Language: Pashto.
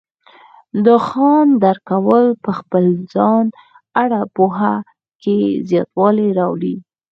د ځان درک کول په خپل ځان اړه پوهه کې زیاتوالی راولي.